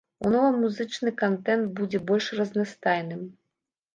У новым музычны кантэнт будзе больш разнастайным.